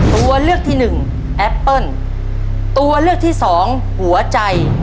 ตัวเลือกที่หนึ่งแอปเปิ้ลตัวเลือกที่สองหัวใจ